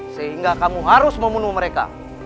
sehingga kamu harus membunuh mereka